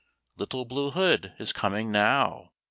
"Little Blue Hood is coming now!"